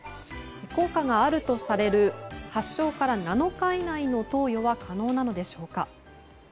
効果があるとされる発症から７日以内の投与は可能なのでしょうか？